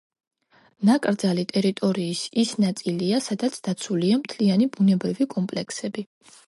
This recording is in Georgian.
ნაკრძალი ტერიტორიის ის ნაწილია, სადაც დაცულია მთლიანი ბუნებრივი კომპლექსები.